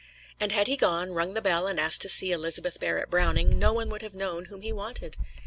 And had he gone, rung the bell and asked to see Elizabeth Barrett Browning, no one would have known whom he wanted.